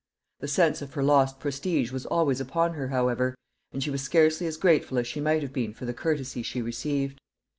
The sense of her lost prestige was always upon her, however, and she was scarcely as grateful as she might have been for the courtesy she received.